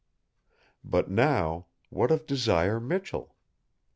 But now, what of Desire Michell?